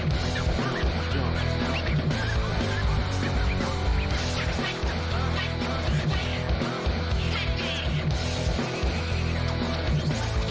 โปรดติดตามตอนต่อไป